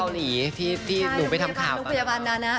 คุณหมอเกาหลีที่หนูไปทำข่าว